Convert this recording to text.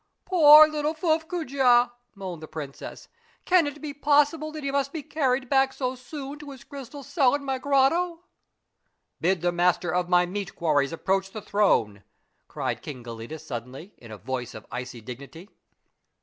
"Poor little Fuffcoojah!" moaned the princess, "can it be possible that he must be carried back so soon to his crystal cell in my grotto ?"" Bid the master of my meat quarries approach the throne," cried King Gelidus suddenly, in a voice of icy dignity.